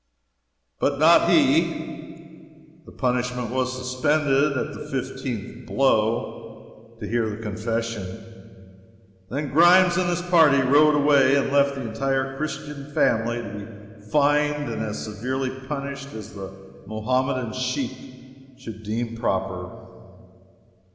But not he! The punishment was "suspended," at the fifteenth blow to hear the confession. Then Grimes and his party rode away, and left the entire Christian family to be fined and as severely punished as the Mohammedan sheik should deem proper.